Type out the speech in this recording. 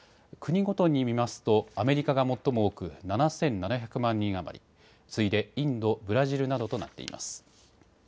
国ごとに見ますとアメリカが最も多く、７７００万人余り、次いでインド、ブラジルなどとなっています。